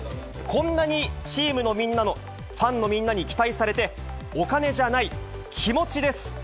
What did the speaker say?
こんなにチームのみんなの、ファンのみんなに期待されて、お金じゃない、気持ちです。